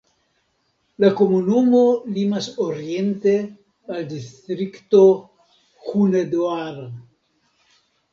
La komunumo limas oriente al distrikto Hunedoara.